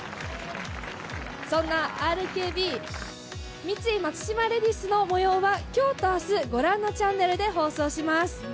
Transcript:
そんなＲＫＢ×三井松島レディスのもようは、きょうとあす、ご覧のチャンネルで放送します。